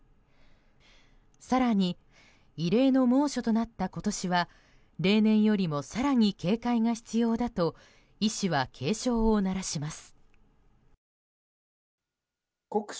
更に、異例の猛暑となった今年は例年よりも更に警戒が必要だと医師は警鐘を鳴らします。